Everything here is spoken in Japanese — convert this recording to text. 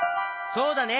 そうだね！